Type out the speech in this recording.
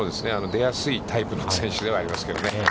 出やすいタイプの選手ではありますけどね。